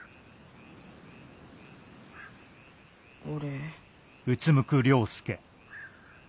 俺。